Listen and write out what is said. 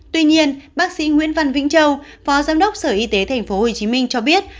tuy nhiên bác sĩ nguyễn văn vĩnh châu phó giám đốc sở y tế tp hcm cho biết